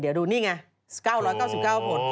เดี๋ยวดูนี่ไง๙๙๙ผล